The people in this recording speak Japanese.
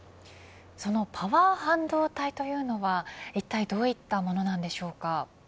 そのパワー半導体というのはいったいどういったものなんでしょうか。